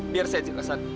biar saya cek kesan